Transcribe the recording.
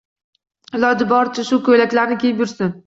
Iloji boricha shu ko`ylaklarni kiyib yursin